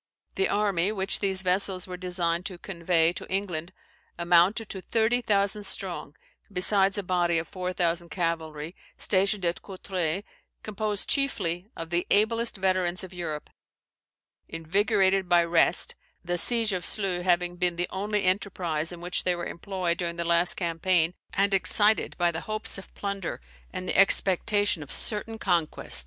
The army which these vessels were designed to convey to England amounted to thirty thousand strong, besides a body of four thousand cavalry, stationed at Courtroi, composed chiefly of the ablest veterans of Europe; invigorated by rest, (the siege of Sluys having been the only enterprise in which they were employed during the last campaign,) and excited by the hopes of plunder and the expectation of certain conquest.